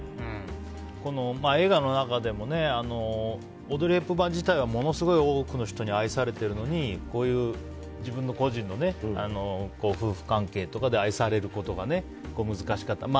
この映画の中でもオードリー・ヘプバーン自体はものすごい多くの人に愛されているのにこういう自分の個人の夫婦関係で愛されることが難しかったり。